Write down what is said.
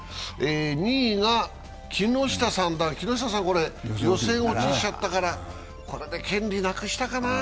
２位が木下さんだけど、予選落ちしちゃったからこれで権利なくしたかな。